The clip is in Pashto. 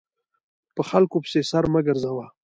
په خلکو پسې سر مه ګرځوه !